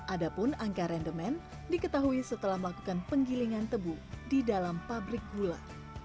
ada pun angka rendemen diketahui setelah melakukan penggilingan tebu di dalam pabrik gula